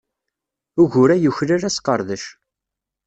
Ugur-a yuklal asqerdec.